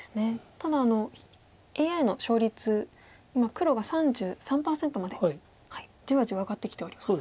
ただＡＩの勝率今黒が３３％までじわじわ上がってきております。